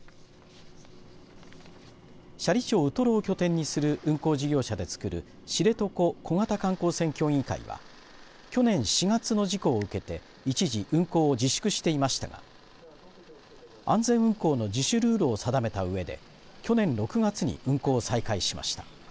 斜里町ウトロを拠点にする運航事業者で作る知床小型観光船協議会は去年４月の事故を受けて一時運航を自粛していましたが安全運航の自主ルールを定めたうえで去年６月に運航を再開しました。